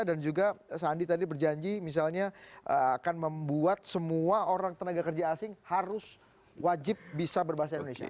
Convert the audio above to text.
dan juga sandi tadi berjanji misalnya akan membuat semua orang tenaga kerja asing harus wajib bisa berbahasa indonesia